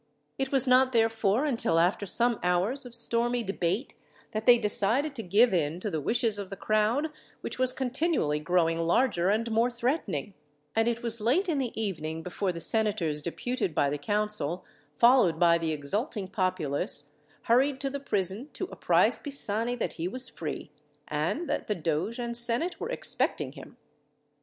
It was not, therefore, until after some hours of stormy debate, that they decided to give in to the wishes of the crowd, which was continually growing larger and more threatening; and it was late in the evening before the senators deputed by the council, followed by the exulting populace, hurried to the prison to apprise Pisani that he was free, and that the doge and senate were expecting him.